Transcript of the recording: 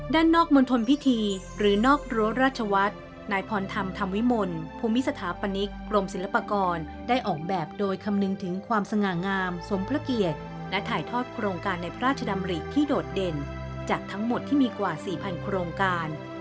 ด้านนอกมณฑลพิธีหรือนอกรั้วราชวัฒน์นายพรธรรมธรรมวิมลภูมิสถาปนิกกรมศิลปากรได้ออกแบบโดยคำนึงถึงความสง่างามสมพระเกียรติและถ่ายทอดโครงการในพระราชดำริที่โดดเด่นจากทั้งหมดที่มีกว่า๔๐๐โครงการ